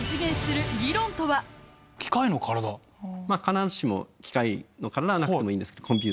必ずしも機械の体はなくてもいいんですけど。